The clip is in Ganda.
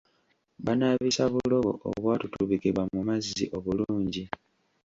Baanaabisa bulobo obwatututubikibwa mu mazzi obulungi.